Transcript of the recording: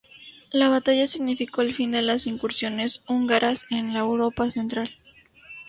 La batalla significó el fin de las incursiones húngaras en la Europa Central.